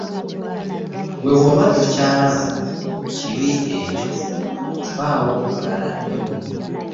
Ggwe bw'oba tokyalaba kibi ekyo vvaawo omulala addewo